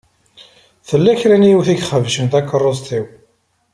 Tella kra n yiwet i ixebcen takeṛṛust-iw.